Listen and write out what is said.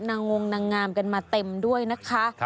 งงนางงามกันมาเต็มด้วยนะคะ